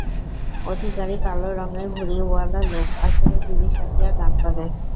অধিকারী কালো রং-এর ভূড়িওয়ালা লোক, আসরে জুড়ি সাজিয়া গান করে।